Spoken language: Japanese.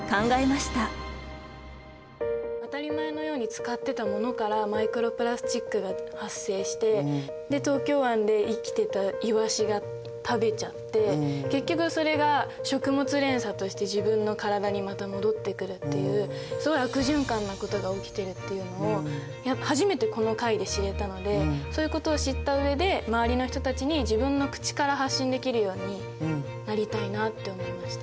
当たり前のように使ってたものからマイクロプラスチックが発生してで東京湾で生きてたイワシが食べちゃって結局それが食物連鎖として自分の体にまた戻ってくるっていうすごい悪循環なことが起きているっていうのを初めてこの回で知れたのでそういうことを知った上で周りの人たちに自分の口から発信できるようになりたいなって思いました。